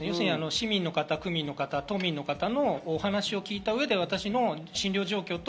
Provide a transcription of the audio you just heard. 市民の方、区民の方、都民の方のお話を聞いた上で私の診療状況と